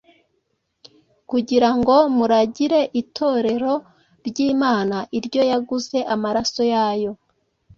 kugira ngo muragire Itorero ry’Imana, iryo yaguze amaraso yayo.”